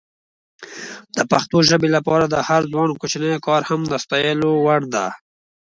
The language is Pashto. د پښتو ژبې لپاره د هر ځوان کوچنی کار هم د ستایلو وړ ده.